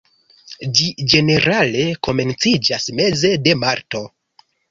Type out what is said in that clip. Ĝi ĝenerale komenciĝas meze de marto.